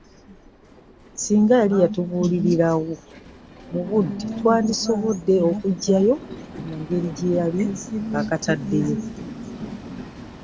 Singa yali yatubuulirirawo mu budde twali tusobola okukagyayo mu ngeri gye yali akataddeyo.